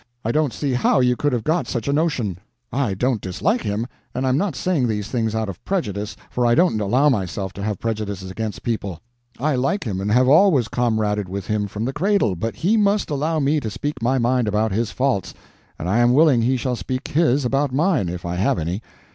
I don't see how you could have got such a notion. I don't dislike him, and I'm not saying these things out of prejudice, for I don't allow myself to have prejudices against people. I like him, and have always comraded with him from the cradle, but he must allow me to speak my mind about his faults, and I am willing he shall speak his about mine, if I have any.